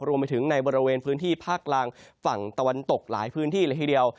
รวมไปถึงในบริเวณพื้นที่ภาคกลางฝั่งตะวันตกหลายพื้นที่เลยทีเดียว